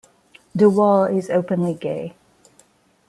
DuVall is openly gay.